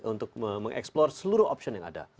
untuk mengeksplor seluruh option yang ada